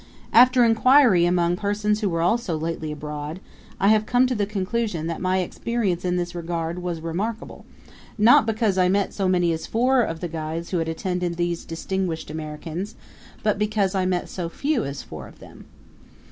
After inquiry among persons who were also lately abroad, I have come to the conclusion that my experience in this regard was remarkable, not because I met so many as four of the guides who had attended these distinguished Americans, but because I met so few as four of them.